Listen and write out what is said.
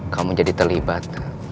kamu jadi terlibat